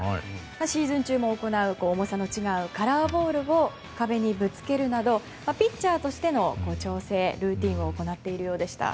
シーズン中も行う重さの違うカラーボールを壁にぶつけるなどピッチャーとしての調整、ルーティンを行っているようでした。